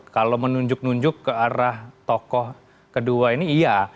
kalau menunjuk nunjuk ke arah tokoh kedua ini iya